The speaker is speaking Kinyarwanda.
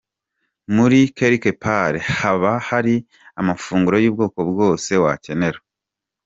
Muri Quelque part haba hari amafunguro y'ubwoko bwose wakenera.